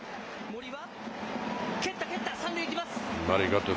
森は、蹴った蹴った、３塁行きます。